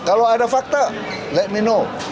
kalau ada fakta let me know